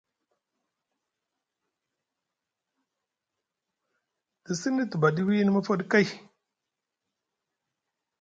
Te sini duɓaɗi wiini mofoɗi kay,